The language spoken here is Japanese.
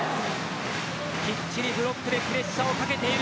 きっちりブロックでプレッシャーをかけている